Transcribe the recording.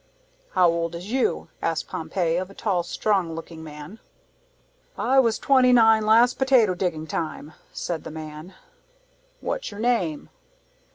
"How old is you?" asked Pompey of a tall, strong looking man. "I was twenty nine last potato digging time," said the man. "What's your name?"